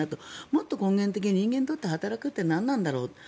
もっと根源的に人間が働くって何なんだろうと。